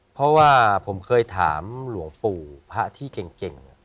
เพราะว่าผมเคยถามหลวงปู่พระที่เก่ง